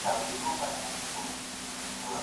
هغه تل د هلمند د خلکو د ميلمه پالنې خبري کوي.